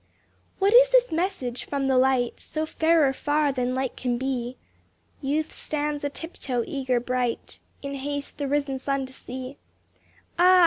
What is this message from the light So fairer far than light can be? Youth stands a tiptoe, eager, bright, In haste the risen sun to see; Ah!